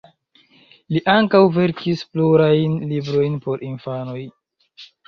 Li ankaŭ verkis plurajn librojn por infanoj.